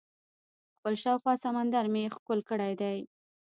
خپل شاوخوا سمندر مې ښکل کړی دئ.